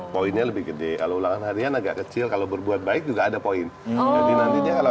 poinnya lebih gede kalau ulangan harian agak kecil kalau berbuat baik juga ada poin jadi nantinya kalau